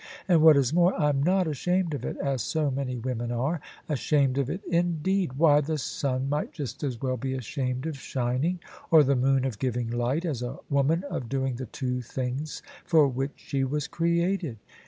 And, what is more, I'm not ashamed of it, as so many women are. Ashamed of it, in deed! Why, the sun might just as well be ashamed of shin ing or the moon of giving light, as a woman of doing the two things for which she was created."